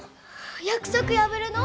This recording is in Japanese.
約束破るの？